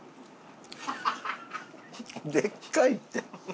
でっかいって。